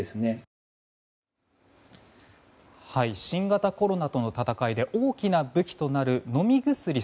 新型コロナとの闘いで大きな武器となる飲み薬。